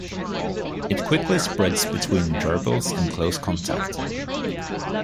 It quickly spreads between gerbils in close contact.